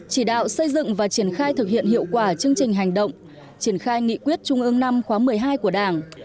chỉ đạo xây dựng và triển khai thực hiện hiệu quả chương trình hành động triển khai nghị quyết trung ương năm khóa một mươi hai của đảng